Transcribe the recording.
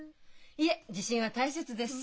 いいえ自信は大切です。